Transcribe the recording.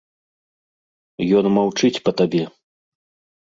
Ён маўчыць па табе.